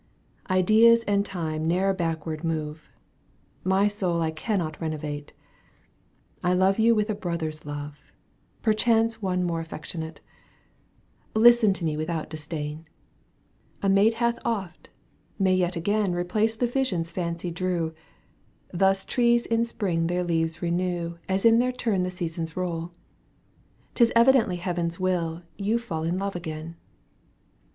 Ideas and time ne'er backward move ; My soul I cannot renovate — I love you w^th a brother's love. Perchance one more affectionate. Digitized by CjOOQ 1С CA^Ntoiv. EUGENE ONJEGUINK 106 Listen to me without disdain. A maid hath oft, may yet again Eeplace the visions fancy drew ; Thus trees in spring their leaves renew As in their turn the seasons roll. 'Tis evidently Heaven's will You f aU in love again.